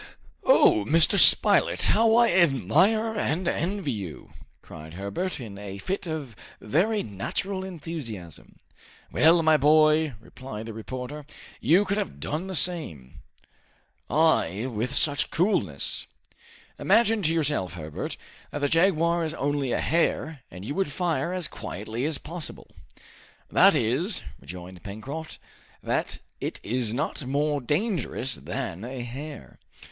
"Oh, Mr. Spilett, how I admire and envy you!" cried Herbert, in a fit of very natural enthusiasm. "Well, my boy," replied the reporter, "you could have done the same." "I! with such coolness! " "Imagine to yourself, Herbert, that the jaguar is only a hare, and you would fire as quietly as possible." "That is," rejoined Pencroft, "that it is not more dangerous than a hare!"